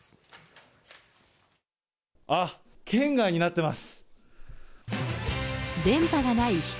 あっ、圏外になってます。